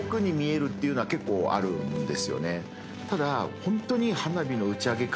ただホントに。